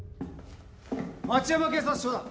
町山警察署だ！